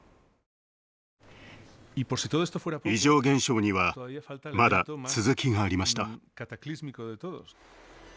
異常現象にはまだ続きがありました。